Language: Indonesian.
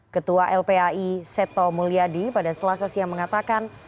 ketua lpai seto mulyadi pada selasa siang mengatakan